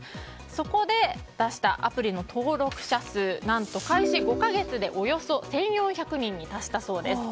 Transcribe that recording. そこで、出したアプリの登録者数何と開始５か月でおよそ１４００人に達したそうです。